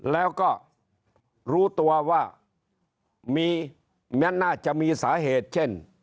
แล้วก็รู้ตัวว่ามีแม้น่าจะมีสาเหตุเช่น